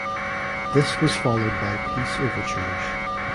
This was followed by peace overtures.